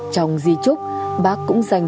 trong di trúc bác cũng dành